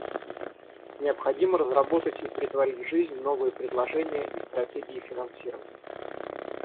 Необходимо разработать и претворить в жизнь новые предложения и стратегии финансирования.